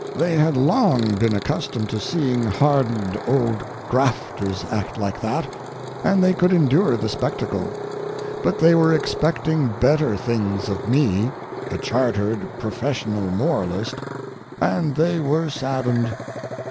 They had long been accustomed to seeing hardened old grafters act like that, and they could endure the spectacle; but they were expecting better things of me, a chartered, professional moralist, and they were saddened.